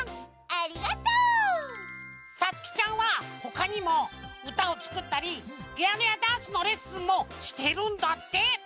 ありがとう！さつきちゃんはほかにもうたをつくったりピアノやダンスのレッスンもしてるんだって。